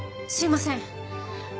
すいません。